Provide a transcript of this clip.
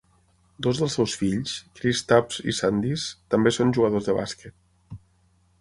Dos dels seus fills, Kristaps i Sandis, també són jugadors de bàsquet.